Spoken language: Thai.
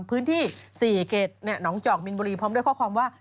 พื้นที่๔เขตหนองจอกมินบุรีพร้อมด้วยข้อความว่า